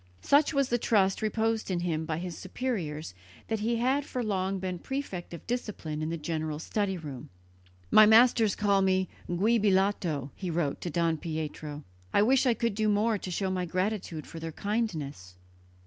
Such was the trust reposed in him by his superiors that he had for long been prefect of discipline in the general study room. "My masters call me 'Giubilato'," he wrote to Don Pietro. "I wish I could do more to show my gratitude for their kindness."